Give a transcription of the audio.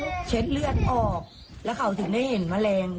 ก็เช็ดเลือดออกแล้วเขาถึงได้เห็นแมลง